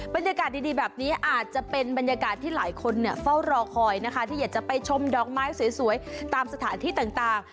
บรรยากาศดีแบบนี้อาจจะเป็นบรรยากาศที่หลายคนเฝ้ารอคอยนะคะที่อยากจะไปชมดอกไม้สวยตามสถานที่ต่าง